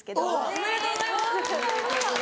おめでとうございます！